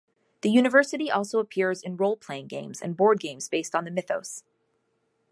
The university also appears in role-playing games and board games based on the mythos.